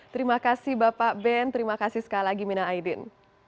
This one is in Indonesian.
terima kasih bapak ben terima kasih sekali lagi mina aidin